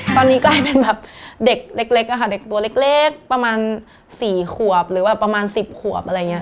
ตอนนี้กลายเป็นแบบเด็กเล็กอะค่ะเด็กตัวเล็กประมาณ๔ขวบหรือแบบประมาณ๑๐ขวบอะไรอย่างนี้